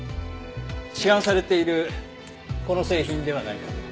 市販されているこの製品ではないかと。